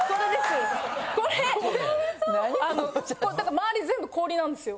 周り全部氷なんですよ。